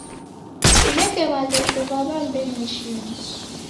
Kuneke maghesho gha w'ambedu ishima.